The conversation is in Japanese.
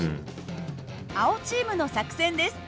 青チームの作戦です。